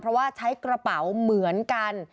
เพราะว่าใช้กระเป๋าเหมือนกัน